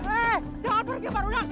eh jangan pergi pak rulang